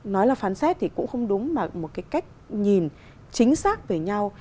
nói là phán xét thì cũng không đúng mà một cái cách nhìn chính xác về nhau